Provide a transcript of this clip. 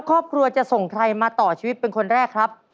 ครอบครัวจะส่งใครมาต่อชีวิตเป็นคนแรกครับ